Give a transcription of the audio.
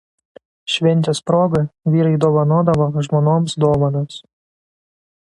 Šventės proga vyrai dovanodavo žmonoms dovanas.